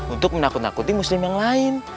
untuk menakut nakuti muslim yang lain